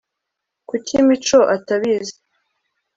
kuki mico atabizi